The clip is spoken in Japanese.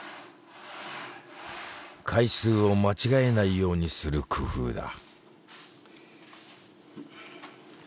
回数を間違えないようにする工夫だ。